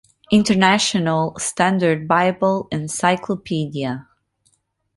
"International Standard Bible Encyclopedia".